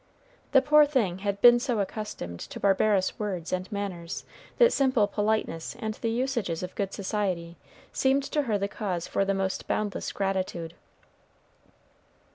The poor thing had been so accustomed to barbarous words and manners that simple politeness and the usages of good society seemed to her cause for the most boundless gratitude.